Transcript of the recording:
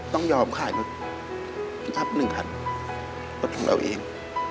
ต้องยอมขายรถพับหนึ่งพันรถของเราเอง